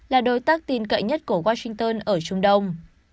là đối tác tin cậy nhất của washington ở trung đông